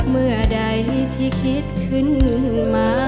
เมื่อใดที่คิดขึ้นมา